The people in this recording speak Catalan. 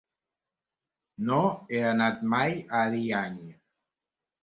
No he anat mai a Ariany.